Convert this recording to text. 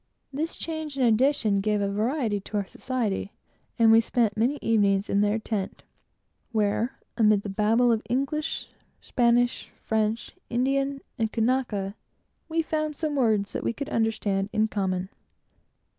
They made an addition to our society, and we spent many evenings in their tent, where, amid the Babel of English, Spanish, French, Indian, and Kanaka, we found some words that we could understand in common.